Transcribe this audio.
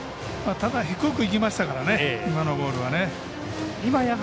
ただ、低くいきましたから今のボールは。